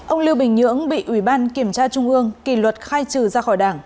ông lưu bình nhưỡng bị ủy ban kiểm tra trung ương kỳ luật khai trừ ra khỏi đảng